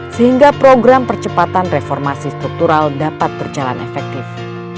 sehingga program percepatan reformasi struktural dapat berjalan efektif